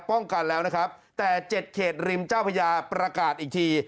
ป้องกันแล้วนะครับแต่๗เขตริมเจ้าพญาประกาศอีกที